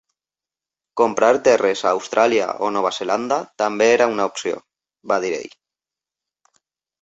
"Comprar terres a Austràlia o Nova Zelanda també era una opció" va dir ell.